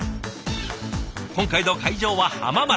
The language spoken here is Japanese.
今回の会場は浜松。